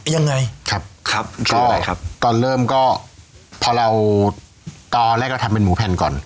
ยังไงครับครับก็เลยครับตอนเริ่มก็พอเราตอนแรกเราทำเป็นหมูแผ่นก่อน